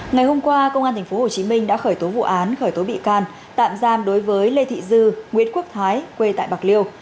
ngày hôm qua công an tp hcm đã khởi tố vụ án khởi tố bị can tạm giam đối với lê thị dư nguyễn quốc thái quê tại bạc liêu